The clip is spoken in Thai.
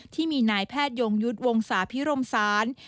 ที่มีนายแพทยงยุทธ์วงศาพิรมศาล